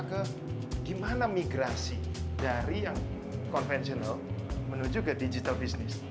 jadi kita harus berpikir pikir bagaimana migrasi dari yang konvensional menuju ke digital business